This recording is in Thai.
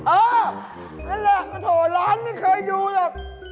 อ้าวนั่นแหละโถ่ร้านไม่เคยอยู่หรอก